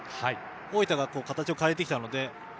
大分が形を変えてきたので。